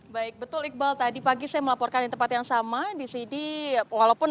baik betul iqbal tadi pagi saya melaporkan di tempat yang sama di sini